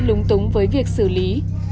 lúng túng với việc xử lý